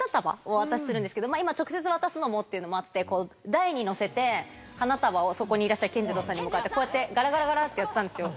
今直接渡すのもっていうのもあって台にのせて花束をそこにいらっしゃる健二郎さんに向かってこうやってガラガラってやったんですよ。